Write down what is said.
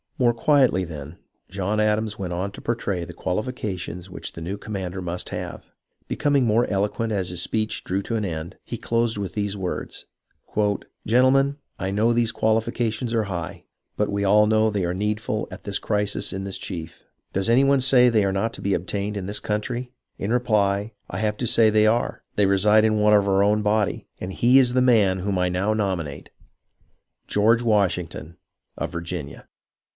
More quietly, then, John Adams went on to portray the qualifications which the new commander must have. Be coming more eloquent as his speech drew to an end, he closed with these words :" Gentlemen, I know these quahfi cations are high, but we all know they are needful at this crisis in this chief. Does any one say they are not to be obtained in this country 1 In reply, I have to say they are ; they reside in one of our own body, and he is the man whom I now nominate, — George Washington of Virginia.